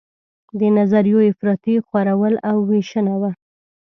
د نظریو افراطي خورول او ویشنه وه.